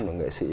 của nghệ sĩ